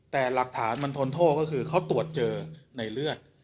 แต่หลักฐานมันทนโทษก็คือเขาตรวจเจอในเลือด